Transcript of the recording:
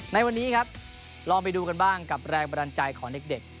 ในวันนี้ครับลองไปดูกันบ้างกับแรงบันดาลใจของเด็ก